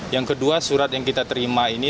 yang kedua surat yang kita terima ini